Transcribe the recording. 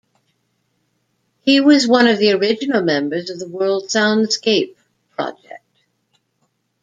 He was one of the original members of the World Soundscape Project.